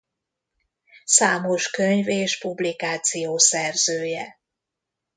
Számos könyv és publikáció szerzője.